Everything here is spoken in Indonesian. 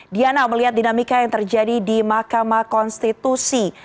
diana melihat dinamika yang terjadi di mahkamah konstitusi